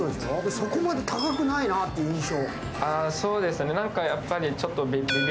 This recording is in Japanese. そこまで高くないなという印象。